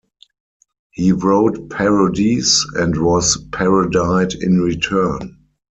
He wrote parodies, and was parodied in return.